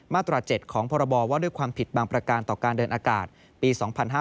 ตรา๗ของพรบว่าด้วยความผิดบางประการต่อการเดินอากาศปี๒๕๕๙